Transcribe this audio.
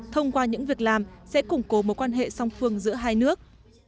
thông qua những việc làm sẽ củng cố mối quan hệ song phương giữa hai nước